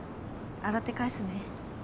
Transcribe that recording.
洗って返すね。